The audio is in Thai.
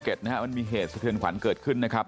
มันมีเหตุสะเทือนขวัญเกิดขึ้นนะครับ